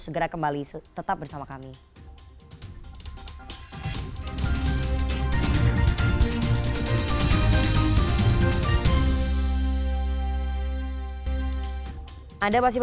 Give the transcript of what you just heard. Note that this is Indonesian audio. segera kembali tetap bersama kami